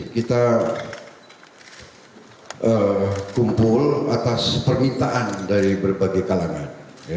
kita kumpul atas permintaan dari berbagai kalangan